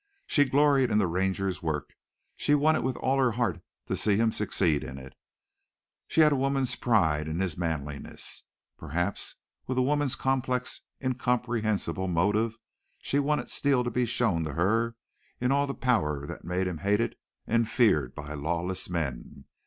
She gloried in the Ranger's work. She wanted with all her heart to see him succeed in it. She had a woman's pride in his manliness. Perhaps, with a woman's complex, incomprehensible motive, she wanted Steele to be shown to her in all the power that made him hated and feared by lawless men.